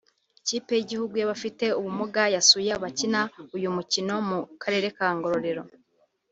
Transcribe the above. Ikipe y’igihugu y’abafite ubumuga yasuye abakina uyu mukino mu karere ka Ngororero